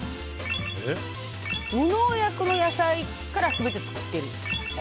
無農薬の野菜から全て作っている。